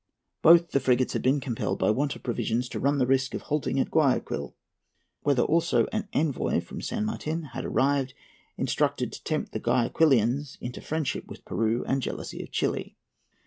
_ Both the frigates had been compelled, by want of provisions, to run the risk of halting at Guayaquil, whither also an envoy from San Martin had arrived, instructed to tempt the Guayaquilians into friendship with Peru and jealousy of Chili.